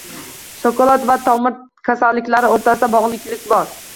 Shokolad va tomir kasalliklari oʻrtasidagi bogʻliqlik bor.